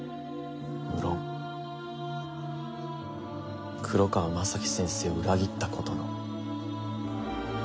無論黒川政樹先生を裏切ったことの。